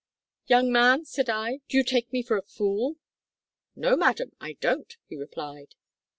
"`Young man,' said I, `do you take me for a fool!' "`No, madam, I don't,' he replied.